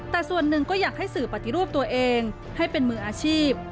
แต่ส่วนหนึ่งก็อยากให้สื่อปฏิรูปตัวเองให้เป็นมืออาชีพ